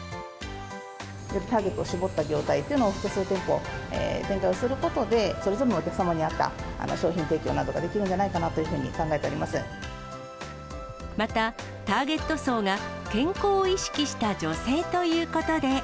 ターゲットを絞った業態というのを複数店舗、展開をすることで、それぞれのお客様に合った商品提供などができるんじゃないかなとまた、ターゲット層が健康を意識した女性ということで。